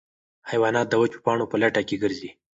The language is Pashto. حیوانات د وچو پاڼو په لټه کې ګرځي.